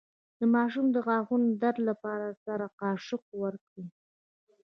د ماشوم د غاښونو د درد لپاره سړه قاشق ورکړئ